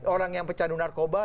orang yang pecandu narkoba